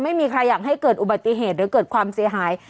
ไม่มีใครอยากให้เกิดอุบัติเหตุหรือเกิดความเสียหาย